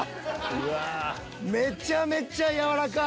めちゃめちゃ軟らかい！